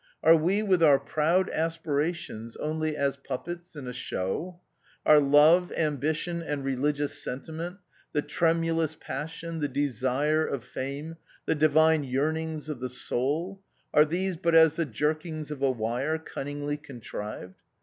Are we with our proud aspirations only as puppets in a show ? Are love, ambition, and reli gious sentiment — the tremulous passion, the desire of fame, the divine yearnings of the soul — are these but as the jerkings of a wire cunningly contrived